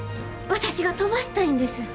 私が飛ばしたいんです。